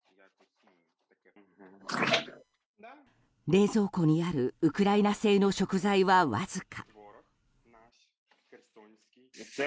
冷蔵庫にあるウクライナ製の食材は、わずか。